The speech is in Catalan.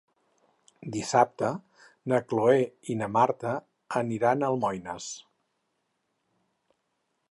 Dissabte na Cloè i na Marta aniran a Almoines.